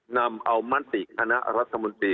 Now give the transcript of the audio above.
นำเอามติคณะรัฐมนตรี